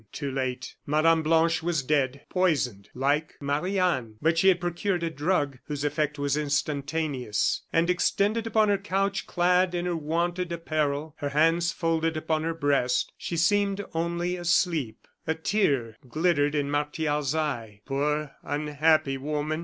Too late! Mme. Blanche was dead poisoned, like Marie Anne; but she had procured a drug whose effect was instantaneous; and extended upon her couch, clad in her wonted apparel, her hands folded upon her breast, she seemed only asleep. A tear glittered in Martial's eye. "Poor, unhappy woman!"